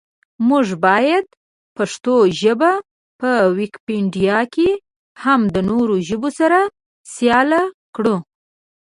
مونږ باید پښتو ژبه په ویکیپېډیا کې هم د نورو ژبو سره سیاله کړو.